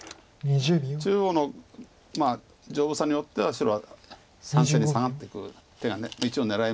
中央の丈夫さによっては白は３線にサガっていく手が一応狙えますんで。